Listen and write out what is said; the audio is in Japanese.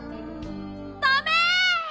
ダメ！